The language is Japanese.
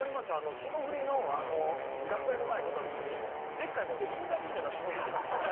霜降りの楽屋の前通ったときに、でっかい声でリンダリンダが聴こえてきたんですよ。